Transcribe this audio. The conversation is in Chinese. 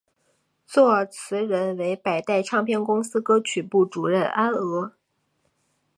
作词人为百代唱片公司歌曲部主任安娥。